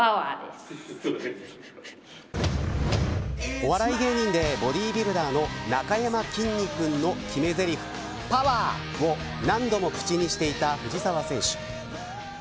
お笑い芸人でボディビルダーのなかやまきんに君の決めぜりふパワー！を何度も口にしていた藤澤選手。